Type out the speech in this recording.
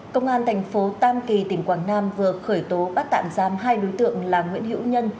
công an thành phố tam kỳ tỉnh quảng nam vừa khởi tố bắt tạm giam hai đối tượng là nguyễn hữu nhân